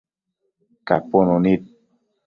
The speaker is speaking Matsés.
capunu nid